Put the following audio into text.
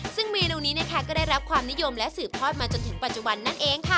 ซึ่งเมนูนี้นะคะก็ได้รับความนิยมและสืบทอดมาจนถึงปัจจุบันนั่นเองค่ะ